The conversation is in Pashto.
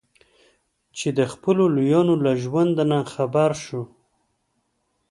چې د خپلو لویانو له ژوند نه خبر شو.